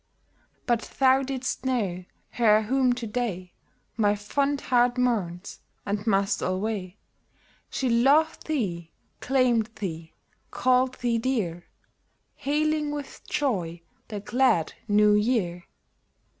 But thou didst know her whom to day My fond heart mourns, and must alway ; She loved thee, claimed thee, called thee dear, Hailing with joy the glad New Year